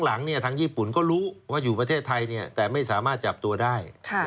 หลังทางญี่ปุ่นก็รู้ว่าอยู่ประเทศไทยแต่ไม่สามารถจับตัวได้